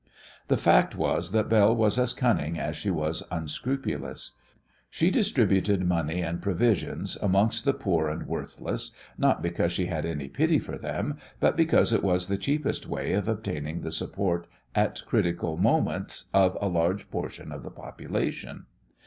The fact was that Belle was as cunning as she was unscrupulous. She distributed money and provisions amongst the poor and worthless not because she had any pity for them, but because it was the cheapest way of obtaining the support at critical moments of a large portion of the population.